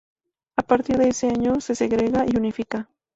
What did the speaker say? A partir de ese año se segrega y unifica.